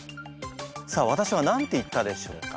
さあ私は何て言ったでしょうか？